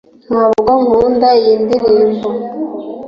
ntabwo nkunda iyi ndirimbo